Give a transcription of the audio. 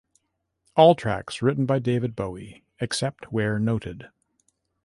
All tracks written by David Bowie, except where noted.